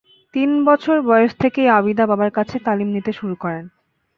তিন বছর বয়স থেকেই আবিদা বাবার কাছে তালিম নিতে শুরু করেন।